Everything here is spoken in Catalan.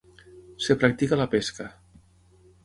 Es practica la pesca.